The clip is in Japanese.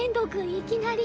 いきなり。